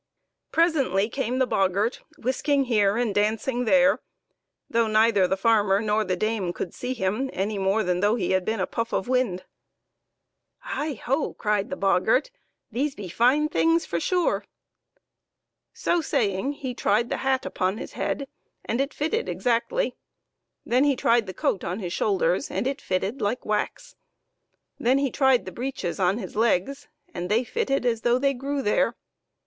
Presently came the boggart, whisking here and dancing there, though neither the farmer nor the dame could see him any more than though he had been a puff of wind. " Heigh ho !" cried the boggart, " these be fine things for sure." So saying, he tried the hat upon his head, and it fitted exactly. Then he tried the coat on his shoulders, and it fitted like wax. Then he tried the breeches on his legs, and they fitted as though they grew there.